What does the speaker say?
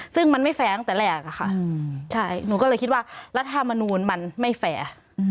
ซึ่งมันไม่แฟร์ตั้งแต่แรกอะค่ะใช่หนูก็เลยคิดว่ารัฐธรรมนูลมันไม่แฟร์